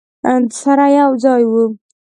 سره یو ځای وو.